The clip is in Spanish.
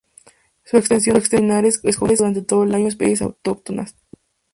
Su extensión de pinares acoge durante todo el año a especies autóctonas.